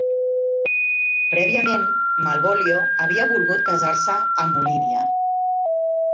Prèviament, Malvolio havia volgut casar.se amb Olivia.